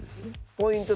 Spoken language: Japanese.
ポイント